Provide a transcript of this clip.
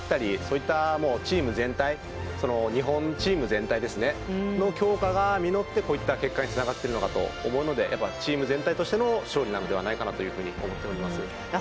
そういった日本チーム全体の強化が実ってこういった結果につながってるのかと思うのでチーム全体としての勝利なのではないかなと思っております。